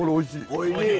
おいしい！